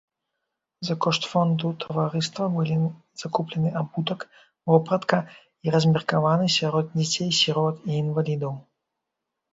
За кошт фонду таварыства былі закуплены абутак, вопратка і размеркаваны сярод дзяцей-сірот і інвалідаў.